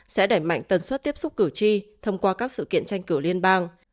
sẽ đẩy mạnh tần suất tiếp xúc cử tri thông qua các sự kiện tranh cử liên bang